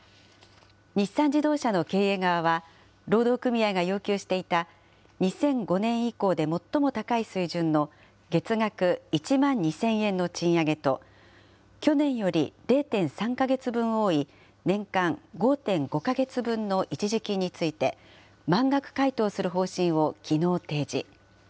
日産自動車の経営側は、労働組合が要求していた、２００５年以降で最も高い水準の月額１万２０００円の賃上げと、去年より０．３か月分多い、年間５．５か月分の一時金について、満額回答する方針をきのう提示。